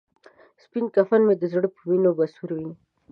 سپین کفن مې د زړه په وینو به سور وي.